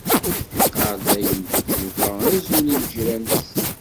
Iqqar dayem Yuba azul i lǧiran-is.